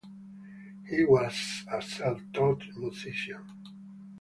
He was a self-taught musician.